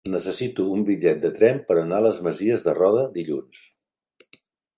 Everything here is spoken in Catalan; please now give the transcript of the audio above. Necessito un bitllet de tren per anar a les Masies de Roda dilluns.